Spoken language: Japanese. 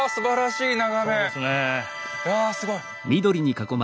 いやすごい。